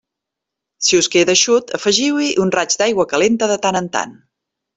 Si us queda eixut, afegiu-hi un raig d'aigua calenta de tant en tant.